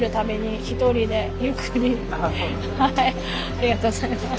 ありがとうございます。